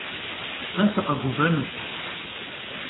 Se sıkheguvenuş.